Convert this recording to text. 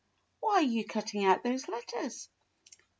Why are you cutting out those letters?"